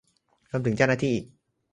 รวมถึงเจ้าหน้าที่อีก